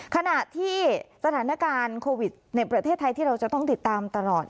ขณะที่สถานการณ์โควิดในประเทศไทยที่เราจะต้องติดตามตลอด